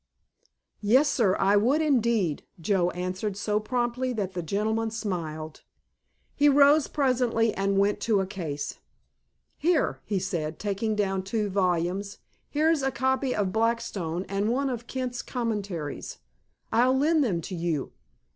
"Yes, sir, I would, indeed," Joe answered so promptly that the gentleman smiled. He rose presently and went to a case. "Here," he said, taking down two volumes; "here's a copy of Blackstone, and one of Kent's Commentaries. I'll lend them to you.